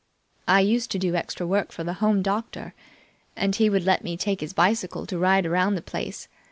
I used to do extra work for the Home doctor, and he would let me take his bicycle to ride around the place.